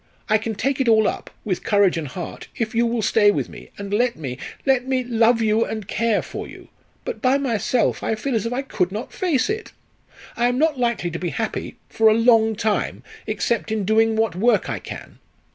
I can take it all up, with courage and heart, if you will stay with me, and let me let me love you and care for you. But, by myself, I feel as if I could not face it! I am not likely to be happy for a long time except in doing what work I can.